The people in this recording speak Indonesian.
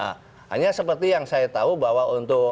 hanya seperti yang saya tahu bahwa untuk